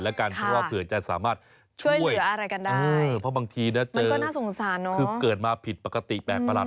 เพราะว่าเผื่อจะสามารถช่วยเพราะบางทีจะเจอเกิดมาผิดปกติแปลกปะหลัด